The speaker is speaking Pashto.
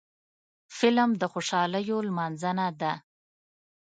فلم د خوشحالیو لمانځنه ده